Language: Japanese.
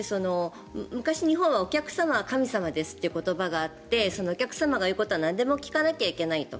昔、日本はお客様は神様ですという言葉があってお客様が言うことはなんでも聞かなきゃいけないと。